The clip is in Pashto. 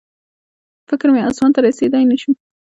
فکر مې اسمان ته رسېدی نه شو